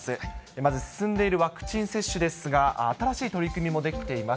まず進んでいるワクチン接種ですが、新しい取り組みもできています。